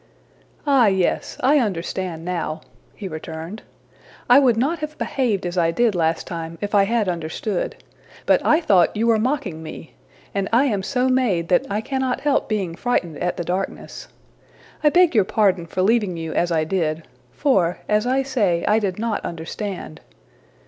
'' ``Ah, yes! I understand now,'' he returned. ``I would not have behaved as I did last time if I had understood; but I thought you were mocking me; and I am so made that I cannot help being frightened at the darkness. I beg your pardon for leaving you as I did, for, as I say, I did not understand.